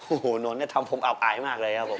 โอ้โหนนท์เนี่ยทำผมอับอายมากเลยครับผม